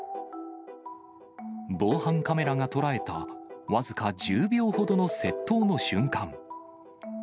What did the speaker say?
防犯カメラが捉えた僅か１０秒ほどの窃盗の瞬間。